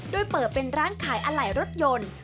โดยเปิดเป็นร้านขายอะไหล่รถยนต์